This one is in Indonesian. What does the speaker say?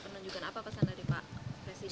penunjukan apa pesan dari pak presiden